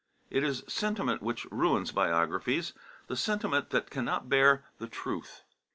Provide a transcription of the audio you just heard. It is sentiment which ruins biographies, the sentiment that cannot bear the truth.